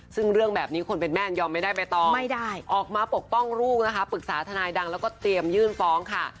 ซึ่งเรื่องแบบนี้คนเป็นแม่ยังยอมไม่ได้ใบตองไม่ได้ออกมาปกป้องลูกนะคะปรึกษาทนายดังแล้วก็เตรียมยื่นฟ้องค่ะ